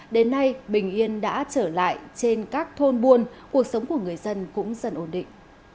đến nay bình yên đã trở lại trên các thôn buôn cuộc sống của người dân cũng dần ổn định